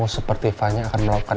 seperti fanya akan melakukan